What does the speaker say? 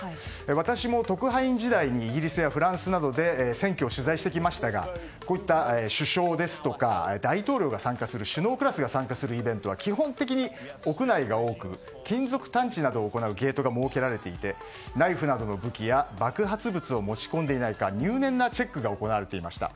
私も特派員時代にイギリスやフランスなどで選挙を取材してきましたがこういった首相ですとか大統領が参加する首脳クラスが参加するイベントは基本的に屋内が多く金属探知などを行うゲートが設けられていてナイフなどの武器や爆発物を持ち込んでいないか入念なチェックが行われていました。